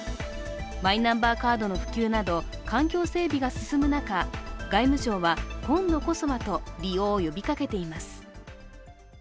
マイナンバーカードの普及など環境整備が進む中外務省は今度こそはと利用を呼びかけています。